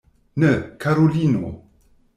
Ne, karulino.